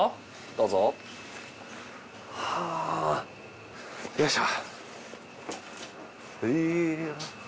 どうぞ。はよいしょ。